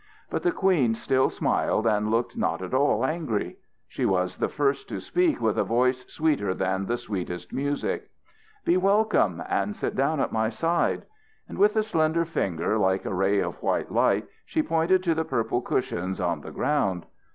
But the queen still smiled and looked not at all angry. She was the first to speak with a voice sweeter than the sweetest music. "Be welcome, and sit down at my side." And with a slender finger like a ray of white light she pointed to the purple cushions on the ground.